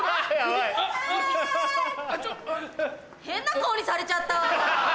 変な顔にされちゃった。